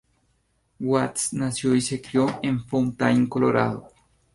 Watts nació y se crio en Fountain, Colorado.